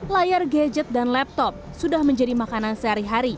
layar gadget dan laptop sudah menjadi makanan sehari hari